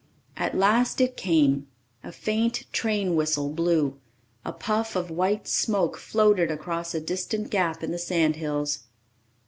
At last it came: a faint train whistle blew, a puff of white smoke floated across a distant gap in the sandhills.